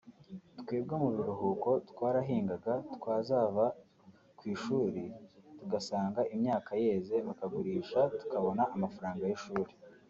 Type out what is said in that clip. twebwe mu biruhuko twarahingaga twazava ku ishuri tugasanga imyaka yeze bakagurisha tukabona amafaranga y’ishuri